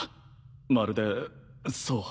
まるでそう。